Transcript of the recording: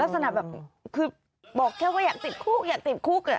ลักษณะแบบคือบอกแค่ว่าอยากติดคุกอยากติดคุก